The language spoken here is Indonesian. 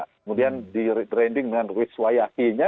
kemudian di branding dengan ruiswayahinya